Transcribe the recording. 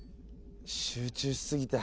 集中しすぎた。